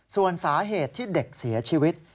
ส่วนสาเหตุที่เด็กเสียชีวิต